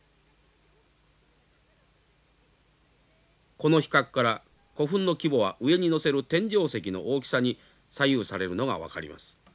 この比較から古墳の規模は上に載せる天井石の大きさに左右されるのが分かります。